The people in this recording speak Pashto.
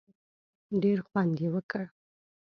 ډېر خوند یې وکړ.